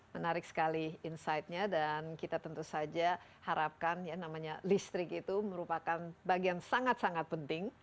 menarik sekali insightnya dan kita tentu saja harapkan ya namanya listrik itu merupakan bagian sangat sangat penting